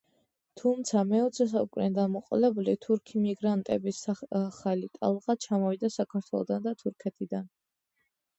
თუმცა, მეოცე საუკუნიდან მოყოლებული, თურქი მიგრანტების ახალი ტალღა ჩამოვიდა საქართველოდან და თურქეთიდან.